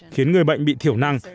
khiến người bệnh bị thiểu năng